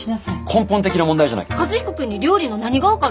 根本的な問題じゃないか。